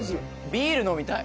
ビール飲みたい。